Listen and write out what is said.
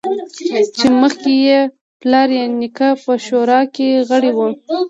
چې مخکې یې پلار یا نیکه په شورا کې غړی و